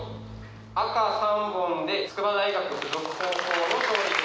赤３本で筑波大学附属高校の勝利です。